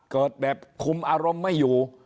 เกิดแบบคุมอารมณ์ไม่อยู่